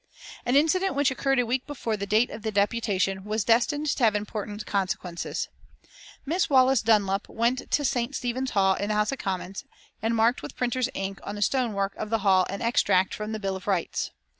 An incident which occurred a week before the date of the deputation was destined to have important consequences. Miss Wallace Dunlop went to St. Stephen's Hall in the House of Commons, and marked with printer's ink on the stone work of the Hall an extract from the Bill of Rights.